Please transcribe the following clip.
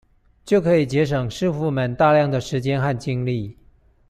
就可以節省師傅們大量的時間和精力